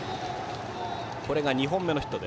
これが２本目のヒット。